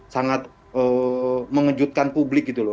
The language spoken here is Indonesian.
sangat mengejutkan publik gitu loh